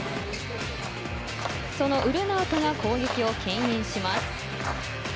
そのウルナウトが攻撃を牽引します。